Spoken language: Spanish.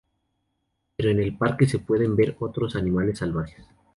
Pero en el parque se pueden ver otros animales salvajes.